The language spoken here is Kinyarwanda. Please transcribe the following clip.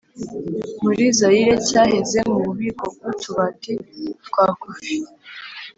muri zayire cyaheze mu bubiko bw'utubati twa kofi